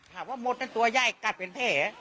หากว่าหมดนั้นตัวไยกัดเป็นแผ่